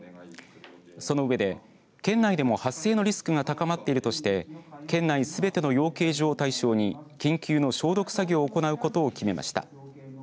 その上で県内でも発生のリスクが高まっているとして県内すべての養鶏場を対象に緊急の消毒作業を行うことを決めました。